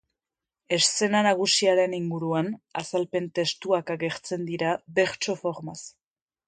Eszena nagusiaren inguruan, azalpen-testuak agertzen dira bertso-formaz.